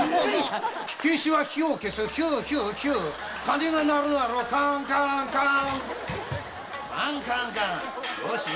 火消しは火を消すヒューヒューヒュー鐘は鳴る鳴るカーンカーンカーン。